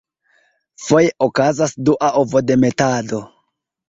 Foje okazas dua ovodemetado.